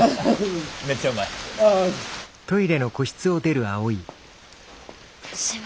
めっちゃうまい。